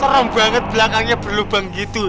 serem banget belakangnya berlubang gitu